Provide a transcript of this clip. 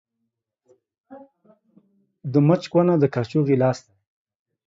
د مچ کونه ، د کاچوغي لاستى.